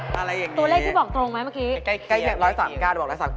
ตัวเลขที่บอกตรงไหมเมื่อกี้